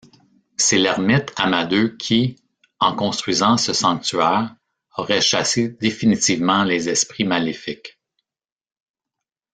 C'est l'ermite Amadeu qui, en construisant ce sanctuaire, aurait chassé définitivement les esprits maléfiques.